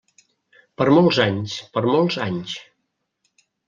Per molts anys, per molts anys.